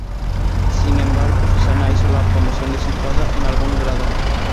Sin embargo, Susana hizo la promoción de su entrada en algún grado.